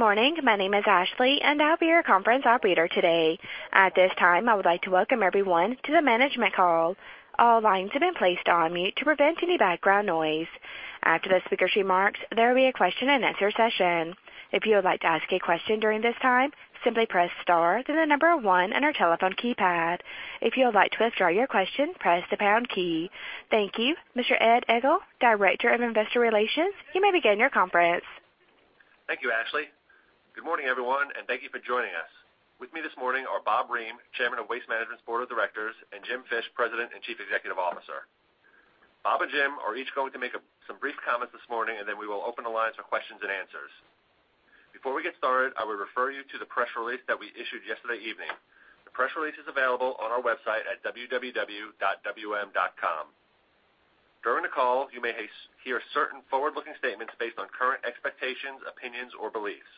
Good morning. My name is Ashley, and I'll be your conference operator today. At this time, I would like to welcome everyone to the management call. All lines have been placed on mute to prevent any background noise. After the speakers' remarks, there will be a question-and-answer session. If you would like to ask a question during this time, simply press star, then the number one on our telephone keypad. If you would like to withdraw your question, press the pound key. Thank you. Mr. Ed Egl, Director of Investor Relations, you may begin your conference. Thank you, Ashley. Good morning, everyone, and thank you for joining us. With me this morning are Bob Reum, Chairman of Waste Management's Board of Directors, and Jim Fish, President and Chief Executive Officer. Bob and Jim are each going to make some brief comments this morning. Then we will open the lines for questions and answers. Before we get started, I will refer you to the press release that we issued yesterday evening. The press release is available on our website at www.wm.com. During the call, you may hear certain forward-looking statements based on current expectations, opinions, or beliefs.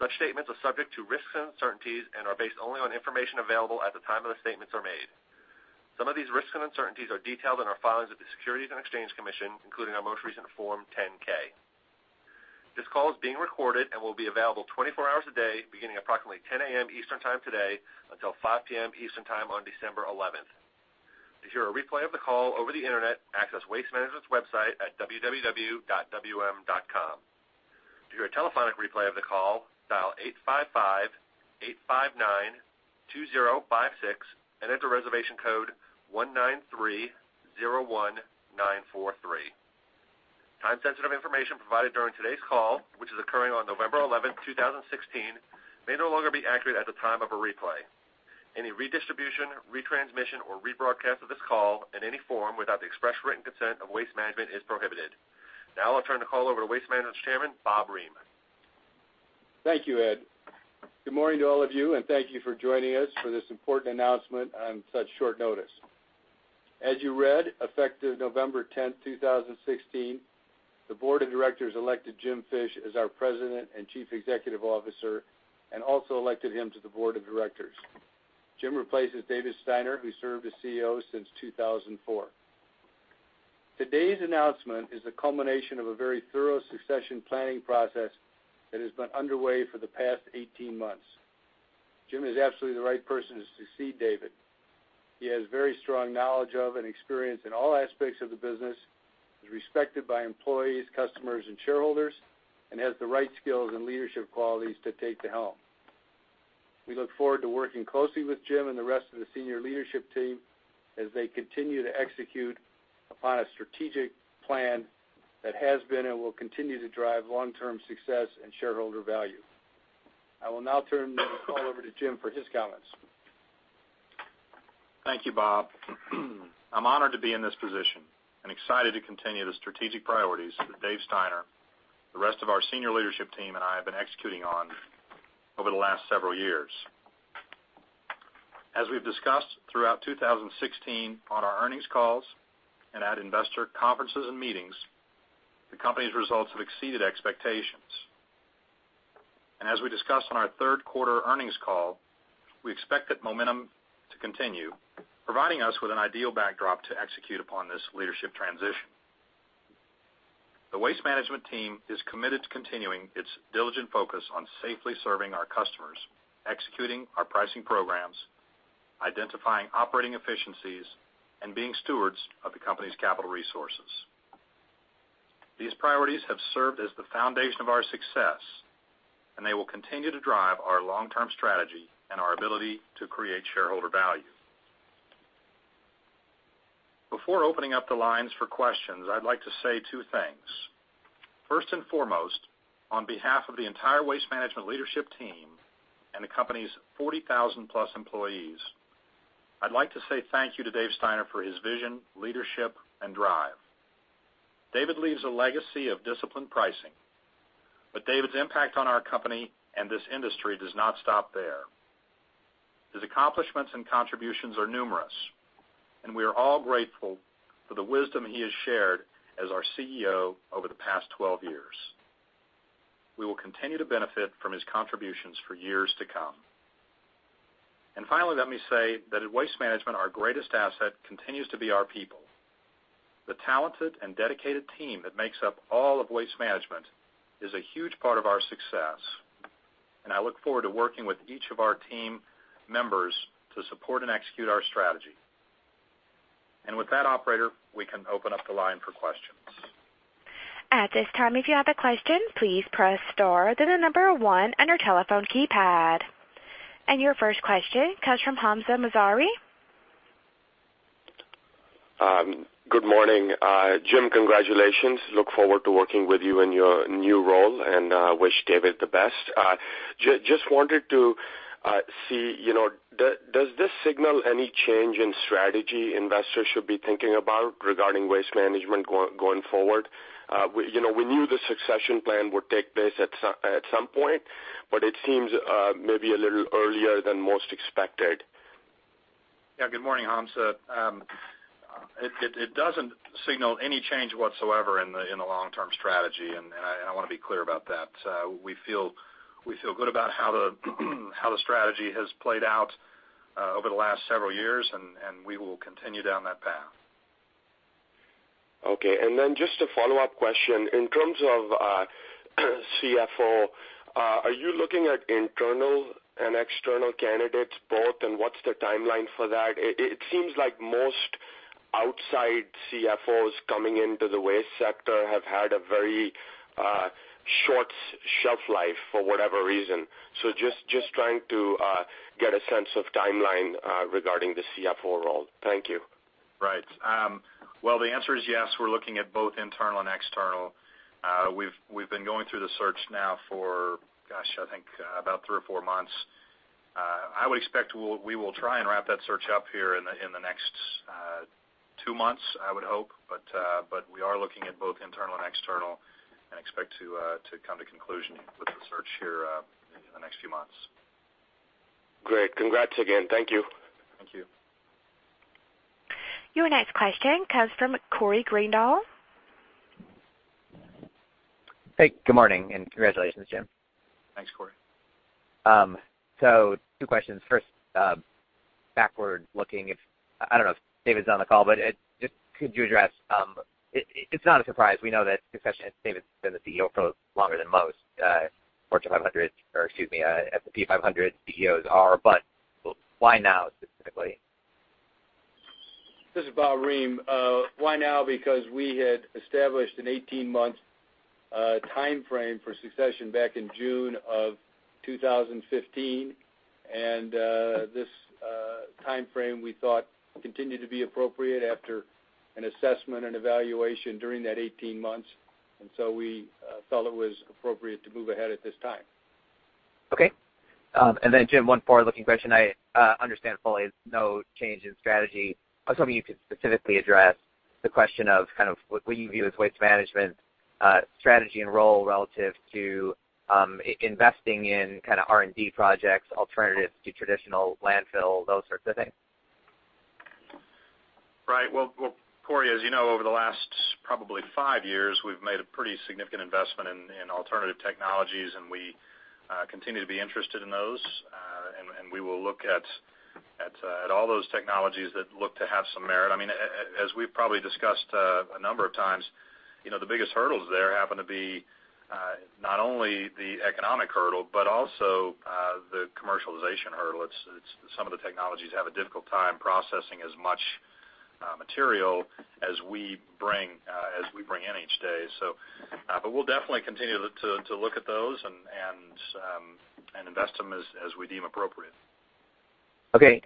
Such statements are subject to risks and uncertainties and are based only on information available at the time of the statements are made. Some of these risks and uncertainties are detailed in our filings with the Securities and Exchange Commission, including our most recent Form 10-K. This call is being recorded and will be available 24 hours a day, beginning approximately 10:00 A.M. Eastern time today until 5:00 P.M. Eastern time on December 11th. To hear a replay of the call over the internet, access Waste Management's website at www.wm.com. To hear a telephonic replay of the call, dial 855-859-2056 and enter reservation code 19301943. Time-sensitive information provided during today's call, which is occurring on November 11th, 2016, may no longer be accurate at the time of a replay. Any redistribution, retransmission, or rebroadcast of this call in any form without the express written consent of Waste Management is prohibited. Now I'll turn the call over to Waste Management's chairman, Bob Reum. Thank you, Ed. Good morning to all of you, and thank you for joining us for this important announcement on such short notice. As you read, effective November 10th, 2016, the board of directors elected Jim Fish as our President and Chief Executive Officer and also elected him to the board of directors. Jim replaces David Steiner, who served as CEO since 2004. Today's announcement is the culmination of a very thorough succession planning process that has been underway for the past 18 months. Jim is absolutely the right person to succeed David. He has very strong knowledge of and experience in all aspects of the business, is respected by employees, customers, and shareholders, and has the right skills and leadership qualities to take the helm. We look forward to working closely with Jim and the rest of the senior leadership team as they continue to execute upon a strategic plan that has been and will continue to drive long-term success and shareholder value. I will now turn the call over to Jim for his comments. Thank you, Bob. I'm honored to be in this position and excited to continue the strategic priorities that Dave Steiner, the rest of our senior leadership team, and I have been executing on over the last several years. As we've discussed throughout 2016 on our earnings calls and at investor conferences and meetings, the company's results have exceeded expectations. As we discussed on our third-quarter earnings call, we expect that momentum to continue, providing us with an ideal backdrop to execute upon this leadership transition. The Waste Management team is committed to continuing its diligent focus on safely serving our customers, executing our pricing programs, identifying operating efficiencies, and being stewards of the company's capital resources. These priorities have served as the foundation of our success, and they will continue to drive our long-term strategy and our ability to create shareholder value. Before opening up the lines for questions, I'd like to say two things. First and foremost, on behalf of the entire Waste Management leadership team and the company's 40,000-plus employees, I'd like to say thank you to Dave Steiner for his vision, leadership, and drive. David leaves a legacy of disciplined pricing, but David's impact on our company and this industry does not stop there. His accomplishments and contributions are numerous, and we are all grateful for the wisdom he has shared as our CEO over the past 12 years. We will continue to benefit from his contributions for years to come. Finally, let me say that at Waste Management, our greatest asset continues to be our people. The talented and dedicated team that makes up all of Waste Management is a huge part of our success, and I look forward to working with each of our team members to support and execute our strategy. With that, operator, we can open up the line for questions. At this time, if you have a question, please press star, then the number one on your telephone keypad. Your first question comes from Hamzah Mazari. Good morning. Jim, congratulations. Look forward to working with you in your new role and wish David the best. Just wanted to see, does this signal any change in strategy investors should be thinking about regarding Waste Management going forward? We knew the succession plan would take place at some point, but it seems maybe a little earlier than most expected. Yeah. Good morning, Hamzah. It doesn't signal any change whatsoever in the long-term strategy. I want to be clear about that. We feel good about how the strategy has played out over the last several years. We will continue down that path. Okay. Just a follow-up question. In terms of CFO, are you looking at internal and external candidates both, what's the timeline for that? It seems like most outside CFOs coming into the waste sector have had a very short shelf life for whatever reason. Just trying to get a sense of timeline regarding the CFO role. Thank you. Right. Well, the answer is yes, we're looking at both internal and external. We've been going through the search now for, gosh, I think about three or four months. I would expect we will try and wrap that search up here in the next two months, I would hope. We are looking at both internal and external and expect to come to conclusion with the search here in the next few months. Great. Congrats again. Thank you. Thank you. Your next question comes from Corey Greendale. Hey, good morning. Congratulations, Jim. Thanks, Corey. Two questions. First, backward-looking, I don't know if David's on the call, just could you address It's not a surprise, we know that succession, David's been the CEO for longer than most Fortune 500, or excuse me, S&P 500 CEOs are. Why now specifically? This is Bob Reum. Why now? We had established an 18-month timeframe for succession back in June of 2015. This timeframe we thought continued to be appropriate after an assessment and evaluation during that 18 months. We felt it was appropriate to move ahead at this time. Jim, one forward-looking question. I understand fully there's no change in strategy. I was hoping you could specifically address the question of what you view as Waste Management strategy and role relative to investing in kind of R&D projects, alternatives to traditional landfill, those sorts of things. Right. Well, Corey, as you know, over the last probably five years, we've made a pretty significant investment in alternative technologies, we continue to be interested in those. We will look at all those technologies that look to have some merit. As we've probably discussed a number of times, the biggest hurdles there happen to be not only the economic hurdle, but also the commercialization hurdle. Some of the technologies have a difficult time processing as much material as we bring in each day. We'll definitely continue to look at those and invest in them as we deem appropriate. Okay.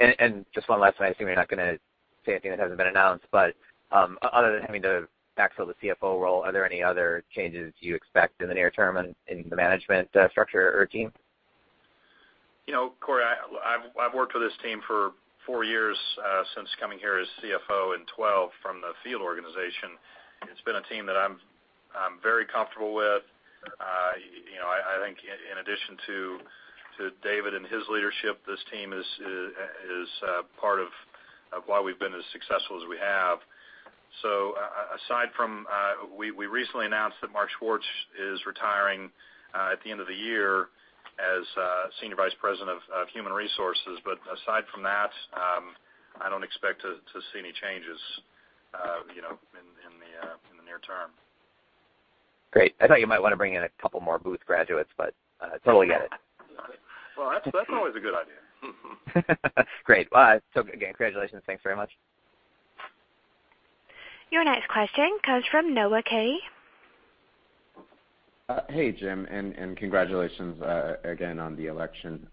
Just one last one. I assume you're not going to say anything that hasn't been announced, other than having to backfill the CFO role, are there any other changes you expect in the near term in the management structure or team? Corey, I've worked with this team for four years, since coming here as CFO in 2012 from the field organization. It's been a team that I'm very comfortable with. I think in addition to David and his leadership, this team is part of why we've been as successful as we have. We recently announced that Mark Schwartz is retiring at the end of the year as Senior Vice President of Human Resources. Aside from that, I don't expect to see any changes in the near term. Great. I thought you might want to bring in a couple more Booth graduates, but totally get it. Well, that's always a good idea. Great. Well, again, congratulations. Thanks very much. Your next question comes from Noah Kaye. Congratulations again on the election.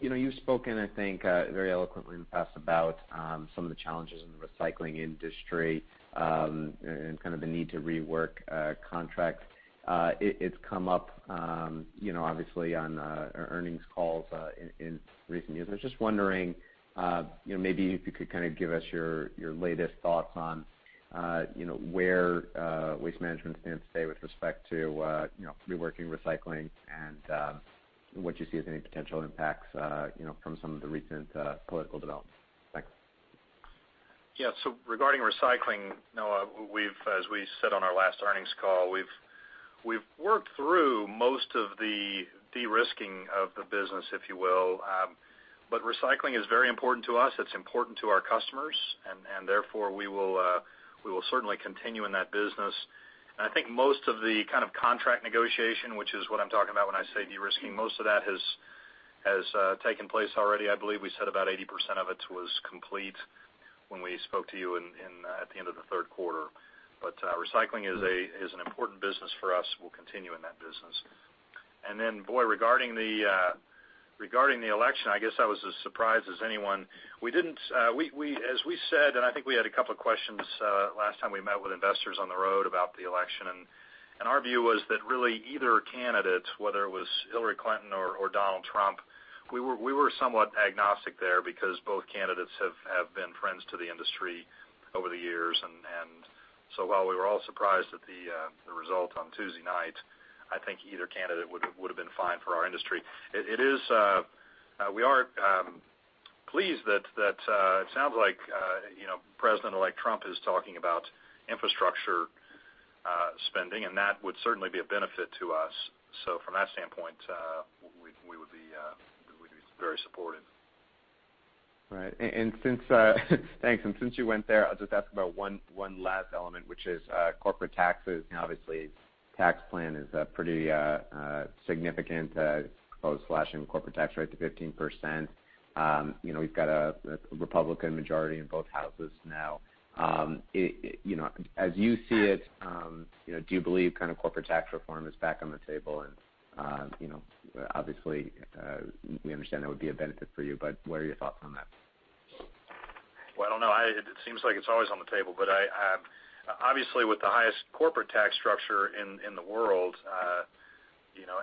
You've spoken, I think very eloquently in the past about some of the challenges in the recycling industry, and the need to rework contracts. It's come up, obviously, on our earnings calls in recent years. I was just wondering, if you could give us your latest thoughts on where Waste Management stands today with respect to reworking recycling and what you see as any potential impacts from some of the recent political developments. Thanks. Regarding recycling, Noah, as we said on our last earnings call, we've worked through most of the de-risking of the business, if you will. Recycling is very important to us. It's important to our customers. Therefore, we will certainly continue in that business. I think most of the contract negotiation, which is what I'm talking about when I say de-risking, most of that has taken place already. I believe we said about 80% of it was complete when we spoke to you at the end of the third quarter. Recycling is an important business for us. We'll continue in that business. Regarding the election, I guess I was as surprised as anyone. As we said, I think we had a couple of questions last time we met with investors on the road about the election, and our view was that really either candidate, whether it was Hillary Clinton or Donald Trump, we were somewhat agnostic there because both candidates have been friends to the industry over the years. While we were all surprised at the result on Tuesday night, I think either candidate would've been fine for our industry. We are pleased that it sounds like President-elect Trump is talking about infrastructure spending, and that would certainly be a benefit to us. From that standpoint, we would be very supportive. All right. Thanks. Since you went there, I'll just ask about one last element, which is corporate taxes. Obviously, tax plan is pretty significant, slashing corporate tax rate to 15%. We've got a Republican majority in both Houses now. As you see it, do you believe corporate tax reform is back on the table? Obviously, we understand that would be a benefit for you. What are your thoughts on that? Well, I don't know. It seems like it's always on the table, but obviously, with the highest corporate tax structure in the world,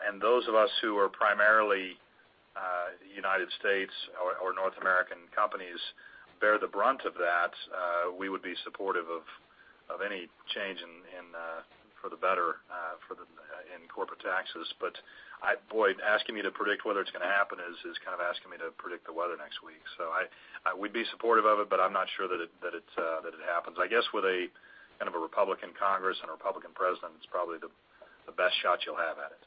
and those of us who are primarily U.S. or North American companies bear the brunt of that, we would be supportive of any change for the better in corporate taxes. Boy, asking me to predict whether it's going to happen is kind of asking me to predict the weather next week. I would be supportive of it, but I'm not sure that it happens. I guess with a Republican Congress and a Republican president, it's probably the best shot you'll have at it.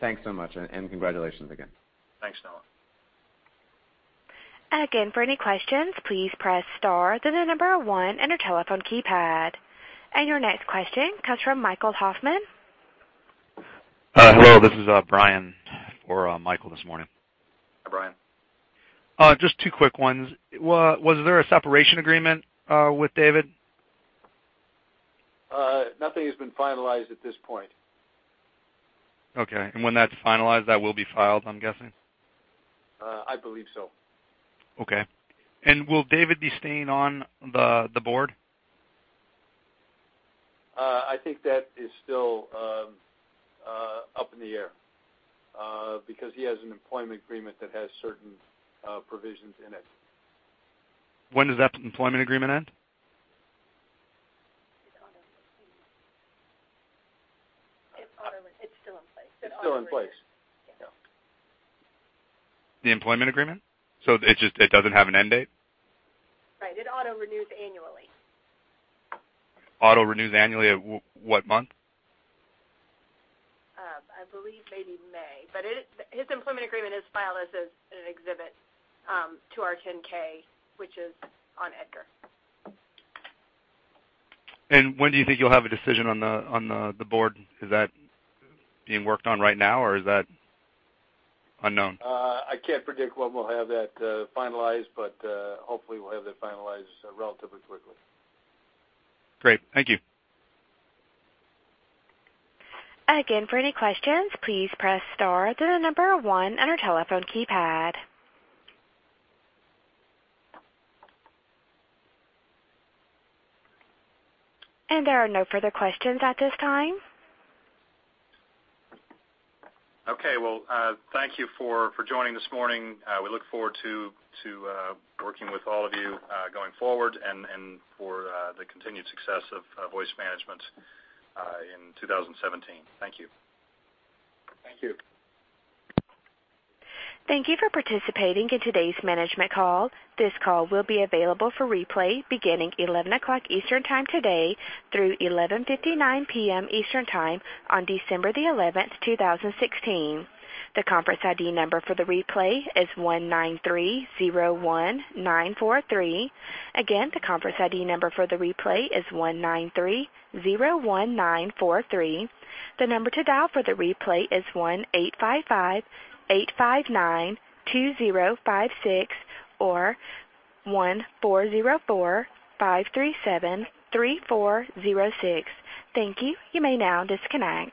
Thanks so much. Congratulations again. Thanks, Noah. Again, for any questions, please press star, then the number 1 on your telephone keypad. Your next question comes from Michael Hoffman. Hello, this is Brian for Michael this morning. Hi, Brian. Just two quick ones. Was there a separation agreement with David? Nothing has been finalized at this point. Okay. When that's finalized, that will be filed, I'm guessing? I believe so. Okay. Will David be staying on the board? I think that is still up in the air because he has an employment agreement that has certain provisions in it. When does that employment agreement end? It's still in place. It's still in place. Yeah. The employment agreement? It doesn't have an end date? Right. It auto-renews annually. Auto-renews annually at what month? I believe maybe May. His employment agreement is filed as an exhibit to our 10-K, which is on EDGAR. When do you think you'll have a decision on the board? Is that being worked on right now, or is that unknown? I can't predict when we'll have that finalized, hopefully we'll have that finalized relatively quickly. Great. Thank you. Again, for any questions, please press star then the number one on your telephone keypad. There are no further questions at this time. Okay. Well, thank you for joining this morning. We look forward to working with all of you going forward and for the continued success of Waste Management in 2017. Thank you. Thank you. Thank you for participating in today's management call. This call will be available for replay beginning at 11:00 A.M. Eastern time today through 11:59 P.M. Eastern time on December the 11th, 2016. The conference ID number for the replay is 1-930-1943. Again, the conference ID number for the replay is 1-930-1943. The number to dial for the replay is 1-855-859-2056 or 1-404-537-3406. Thank you. You may now disconnect.